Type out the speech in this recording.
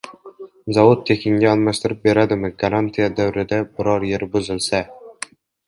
Zavod tekinga almashtirib beradimi garantiya davrida biror yeri buzilsa?